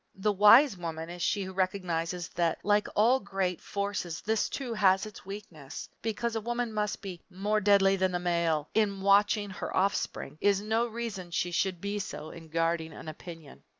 The wise woman is she who recognizes that like all great forces this, too, has its weakness. Because a woman must be "more deadly than the male" in watching her offspring is no reason she should be so in guarding an opinion.